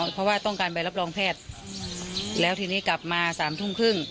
เพราะว่าต้องการใบรับรองแพทย์แล้วทีนี้กลับมาสามทุ่มครึ่ง